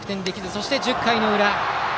そして１０回の裏。